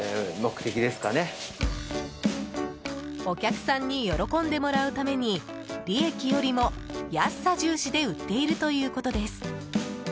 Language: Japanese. お客さんに喜んでもらうために利益よりも安さ重視で売っているということです。